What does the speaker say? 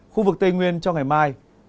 khu vực tây nguyên cho ngày mai